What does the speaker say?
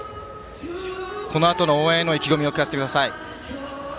このあとの応援への意気込みを聞かせてください。